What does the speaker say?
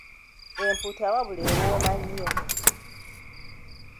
Empuuta wabula ewooma nnyo!